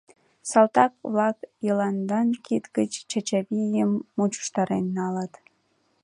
Салтак-влак Йыландан кид гыч Чачавийым мучыштарен налыт.